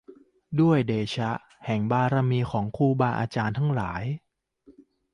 ด้วยเดชแห่งบารมีของครูบาอาจารย์เจ้าทั้งหลาย